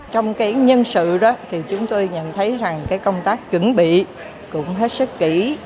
trong cái nhân sự đó thì chúng tôi nhận thấy rằng cái công tác chuẩn bị cũng hết sức kỹ